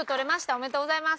おめでとうございます。